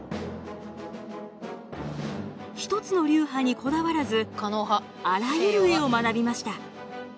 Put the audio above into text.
１つの流派にこだわらずあらゆる絵を学びました。